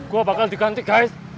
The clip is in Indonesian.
gue bakal diganti guys